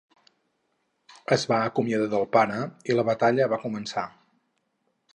Es va acomiadar del pare i la batallava començar.